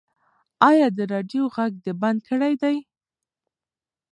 ایا د راډیو غږ دې بند کړی دی؟